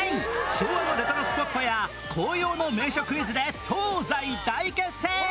昭和のレトロスポットや紅葉の名所クイズで東西大決戦！